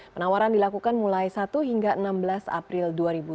penawaran dilakukan mulai satu hingga enam belas april dua ribu sembilan belas